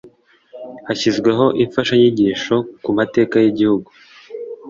hashyizweho imfashanyigisho ku mateka y'igihugu